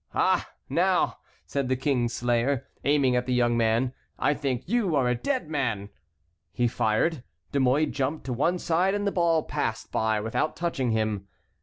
"Ah! now," said the King's Slayer, aiming at the young man, "I think you are a dead man!" He fired. De Mouy jumped to one side and the ball passed by without touching him.